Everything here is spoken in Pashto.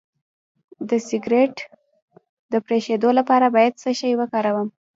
د سګرټ د پرېښودو لپاره باید څه شی وکاروم؟